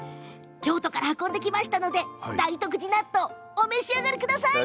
京都から運んできましたので大徳寺納豆お召し上がりください。